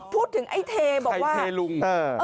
พูดถึงไอ้เทบอกว่าใครเทลุง